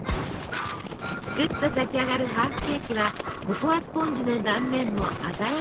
すくっと立ち上がるハーフケーキはココアスポンジの断面も鮮やか！